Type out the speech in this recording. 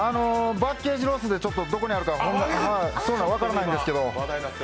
バゲージロスでどこにあるか分からないんですけど。